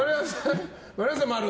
丸山さんは○。